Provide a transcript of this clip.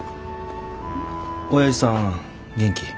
おやじさん元気？